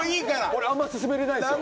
俺あんま進めれないんすよ。